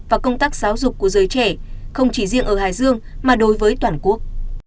và công tác giáo dục của giới trẻ không chỉ riêng ở hải dương mà đối với toàn quốc